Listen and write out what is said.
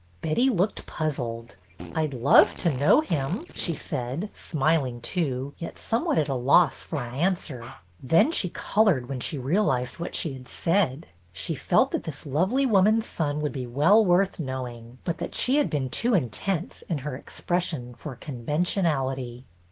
Betty looked puzzled. '' I 'd love to know him," she said, smiling too, yet somewhat at a loss for an answer; then she colored when she realized what she had said. She felt that this lovely woman's son would be well worth knowing, but that she had been too intense in her expression for conventionality.